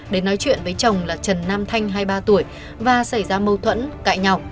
đến nói chuyện với chồng là trần nam thanh hai mươi ba tuổi và xảy ra mâu thuẫn cãi nhọc